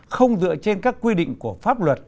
không dựa trên các quy định của pháp luật